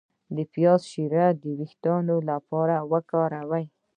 د پیاز شیره د ویښتو لپاره وکاروئ